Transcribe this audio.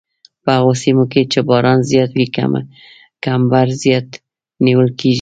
په هغو سیمو کې چې باران زیات وي کمبر زیات نیول کیږي